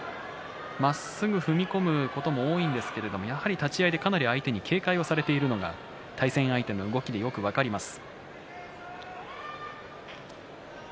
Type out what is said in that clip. まっすぐ踏み込むことも多いんですが立ち合いでかなり相手に警戒されているのが対戦相手の動きでよく分かります。